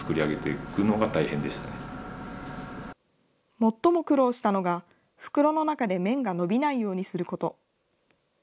最も苦労したのが、袋の中で麺が伸びないようにすること。